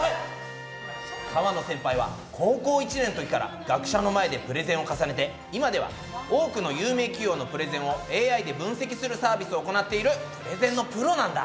河野先輩は高校１年のときから学者の前でプレゼンを重ねて今では多くの有名企業のプレゼンをＡＩで分析するサービスを行っているプレゼンのプロなんだ！